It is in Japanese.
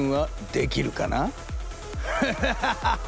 フハハハハ！